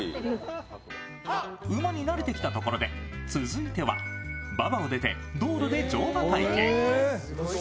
馬に慣れてきたところで続いては馬場を出て道路で乗馬体験。